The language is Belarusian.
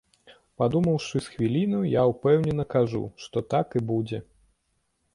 Падумаўшы з хвіліну, я ўпэўнена кажу, што так і будзе.